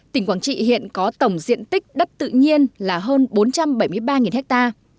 tỉnh quảng trị hiện có tổng diện tích đất tự nhiên là hơn bốn trăm bảy mươi ba ha